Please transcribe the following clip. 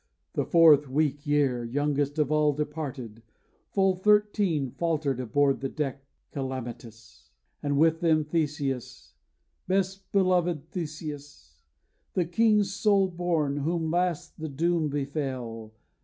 The fourth weak year, Youngest of all departed, full thirteen Faltered aboard the deck calamitous; And with them Theseus, best belovèd Theseus, The king's sole born, whom last the doom befell.